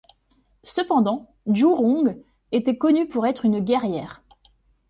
Cependant, Zhu Rong était connue pour être une guerrière.